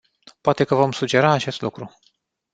Poate că vom sugera acest lucru.